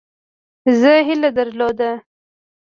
زه هیله درلوده.